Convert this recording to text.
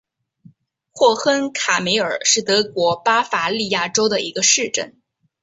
霍亨卡梅尔是德国巴伐利亚州的一个市镇。